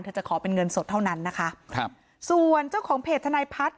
เธอจะขอเป็นเงินสดเท่านั้นส่วนเจ้าของเพจทนายพัฒน์